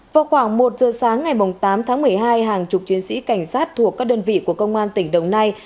vào khoảng một giờ sáng ngày tám tháng một mươi hai hàng chục chiến sĩ cảnh sát thuộc các đơn vị của công an tỉnh đồng nai